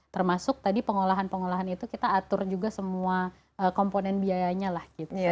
termasuk tadi pengolahan pengolahan itu kita atur juga semua komponen biayanya lah gitu